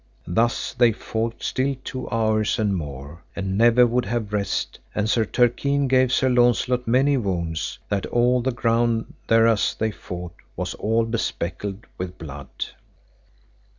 Thus they fought still two hours and more, and never would have rest, and Sir Turquine gave Sir Launcelot many wounds that all the ground thereas they fought was all bespeckled with blood.